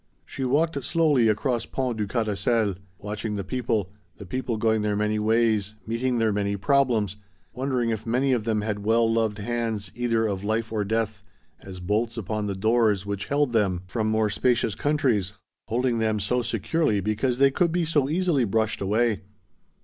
She walked slowly across Pont du Carrousel, watching the people, the people going their many ways, meeting their many problems, wondering if many of them had well loved hands, either of life or death, as bolts upon the doors which held them from more spacious countries, holding them so securely because they could be so easily brushed away.